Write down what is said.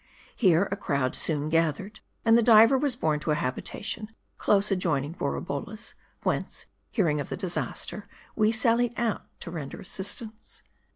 Here a crowd soon gathered, and the diver was borne to a habitation, close adjoining Borabolla's ; whence, hearing of the disaster, we sallied out to render assistance.